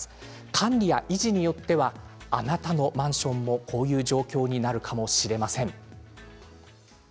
管理や維持によってはあなたのマンションもこういう状況になるかもしれません。